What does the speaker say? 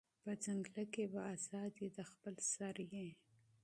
په ځنگله کی به آزاد یې د خپل سر یې